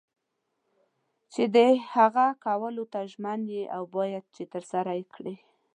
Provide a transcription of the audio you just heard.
چې د هغه کولو ته ژمن یې او باید چې ترسره یې کړې.